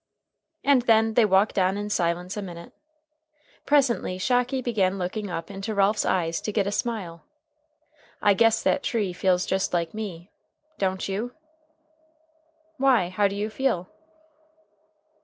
And then they walked on in silence a minute. Presently Shocky began looking up into Ralph's eyes to get a smile. "I guess that tree feels just like me. Don't you?" "Why, how do you feel?"